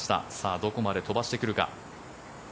どこまで飛ばしてくるか。